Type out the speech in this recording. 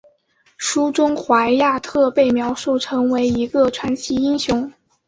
书中怀亚特被描述成为一个传奇英雄。